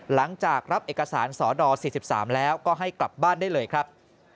หลังจากรับเอกสารสด๔๓แล้วก็ให้กลับบ้านได้เลยครับ